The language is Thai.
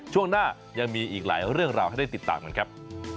ช่วงหน้ายังมีอีกหลายเรื่องราวให้ได้ติดตามกันครับ